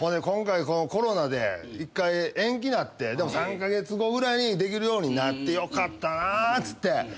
今回このコロナで一回延期なってでも３カ月後ぐらいにできるようになってよかったなっつって。